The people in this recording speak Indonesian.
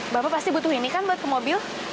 bapak pasti butuh ini kan buat ke mobil